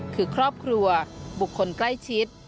คือครอบครัวบุคคลใกล้ชิด